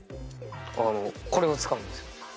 これを使うんですよ。